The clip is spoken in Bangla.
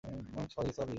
আমি সরি, সরি।